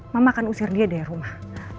mama akan usir dia dari rumah